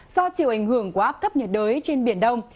do chịu ảnh hưởng của áp thấp nhiệt đới trên biển đông